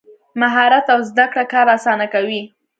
مهارت او زده کړه کار اسانه کوي.